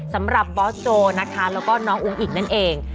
สำหรับบอสโจนะคะแล้วก็น้องอุ้งอิงนั่นเอง